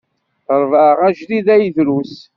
Ṛbeɛ ajdid ay drus.